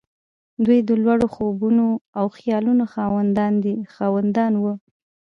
دوی د لوړو خوبونو او خيالونو خاوندان وو.